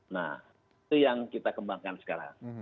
nah itu yang kita kembangkan sekarang